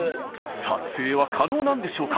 撮影は可能なんでしょうか？